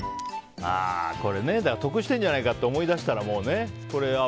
これ、得しているんじゃないかって思い出したらね。